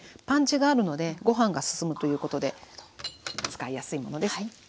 パンチがあるのでごはんが進むということで使いやすいものです。